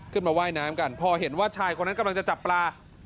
ว่ายน้ำกันพอเห็นว่าชายคนนั้นกำลังจะจับปลา